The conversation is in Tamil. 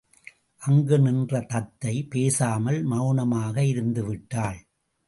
அங்கு நின்ற தத்தை பேசாமல், மெளனமாக இருந்துவிட்டாள்.